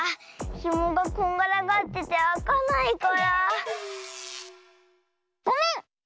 ひもがこんがらがっててあかないからごめん！